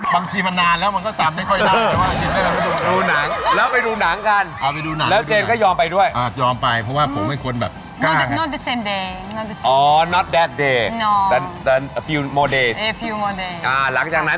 ไม่ดินเนอร์ไปดูหนัง